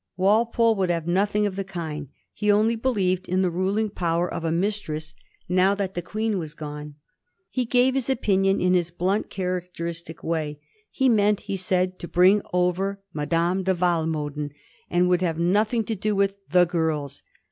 Walpole would have nothing of the kind. He only be lieved in the ruling power of a mistress now that the 126 A HISTORT OF THE FOUR GEORGES. cn.zxix. Qaeen was gone. He gave his opinions in his blant, char acteristic way. He meant, he said, to bring over Ma dame de Walmoden, and would have nothing to do with " the girls."